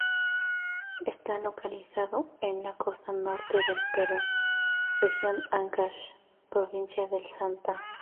Está localizado en la costa norte del Perú, Región Ancash, provincia del Santa.